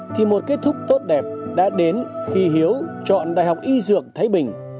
thì một kết thúc tốt đẹp đã đến khi hiếu chọn đại học y dược thái bình